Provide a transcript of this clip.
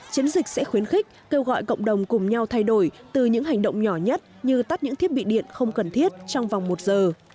chiến dịch sẽ khuyến khích kêu gọi cộng đồng cùng nhau thay đổi từ những hành động nhỏ nhất như tắt những thiết bị điện không cần thiết trong vòng một giờ